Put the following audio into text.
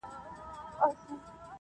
او خبري نه ختمېږي هېڅکله,